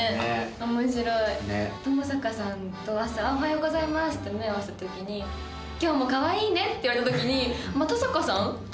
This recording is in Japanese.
面白いともさかさんと朝「おはようございます」って目合わせた時に「今日もかわいいね」って言われた時に。